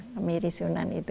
kemiri sunan itu